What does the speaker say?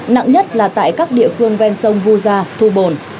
nặng nhất là tại các địa phương ven sông vu gia thu bồn